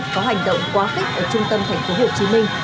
có hành động quá khích ở trung tâm thành phố hồ chí minh